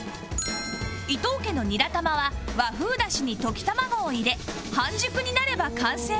伊藤家のニラ玉は和風だしに溶き卵を入れ半熟になれば完成